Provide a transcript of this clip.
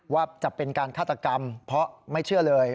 ว่าจะเป็นการฆาตกรรมเพราะไม่เชื่อเลย